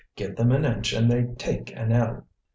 Give them an inch and they take an ell."